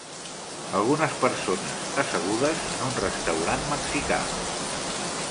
Algunes persones assegudes en un restaurant mexicà.